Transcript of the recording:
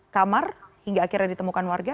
kamar hingga akhirnya ditemukan warga